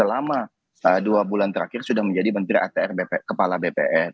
apalagi kita tahu hari ini mas ahaie selama dua bulan terakhir sudah menjadi menteri atr kepala bpn